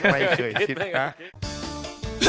ไม่เคยคิดครับ